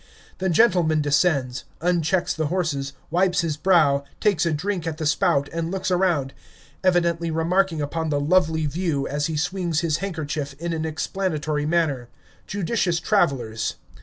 The gentleman descends, unchecks the horses, wipes his brow, takes a drink at the spout and looks around, evidently remarking upon the lovely view, as he swings his handkerchief in an explanatory manner. Judicious travelers.